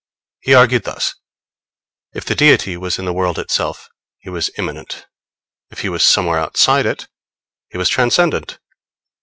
He argued thus: if the Deity was in the world itself, he was immanent; if he was somewhere outside it, he was transcendent.